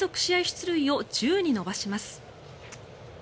出塁を１０に伸ばします。